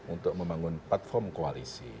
untuk membangun platform koalisi